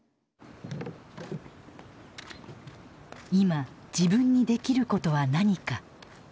今自分にできることは何か。